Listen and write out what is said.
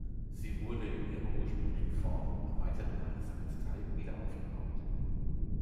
Sie wurde in ihrer ursprünglichen Form, erweitert um eine Sakristei, wiederaufgebaut.